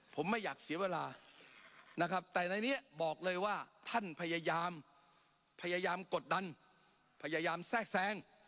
ผมไม่อยากเสียเวลานะครับแต่ในนี้บอกเลยว่าท่านพยายามพยายามกดดันพยายามแทรกแทรง